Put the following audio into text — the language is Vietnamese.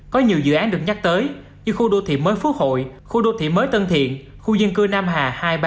có nhiều dự án được nhắc tới như khu đô thị mới phú hội khu đô thị mới tân thiện khu dân cư nam hà hai mươi ba